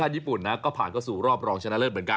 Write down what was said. ญี่ปุ่นนะก็ผ่านเข้าสู่รอบรองชนะเลิศเหมือนกัน